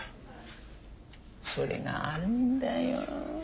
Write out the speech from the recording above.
それがあるんだよ。